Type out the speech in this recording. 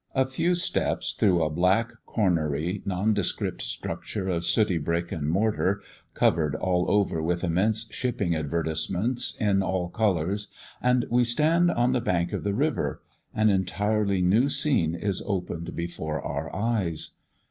A few steps through a black, cornery, nondescript structure of sooty brick and mortar, covered all over with immense shipping advertisements in all colours, and we stand on the bank of the river. An entirely new scene is opened before our eyes.